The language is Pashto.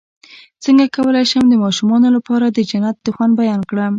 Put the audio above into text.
څنګه کولی شم د ماشومانو لپاره د جنت د خوند بیان کړم